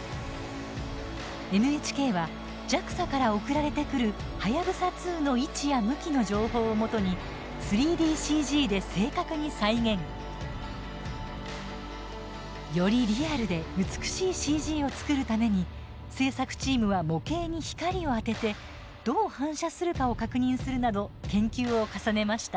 ＮＨＫはＪＡＸＡから送られてくるはやぶさ２の位置や向きの情報をもとに３ＤＣＧで正確に再現。よりリアルで美しいＣＧを作るために制作チームは模型に光を当ててどう反射するかを確認するなど研究を重ねました。